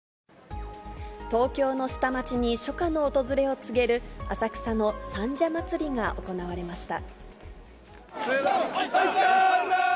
東京の下町に初夏の訪れを告げる、浅草の三社祭が行われました。